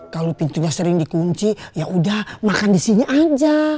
kalau pintunya sering dikunci yaudah makan disini aja